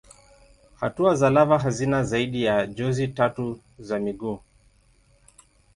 Hatua za lava hazina zaidi ya jozi tatu za miguu.